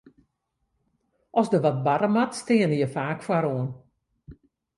As der wat barre moat, steane je faak foaroan.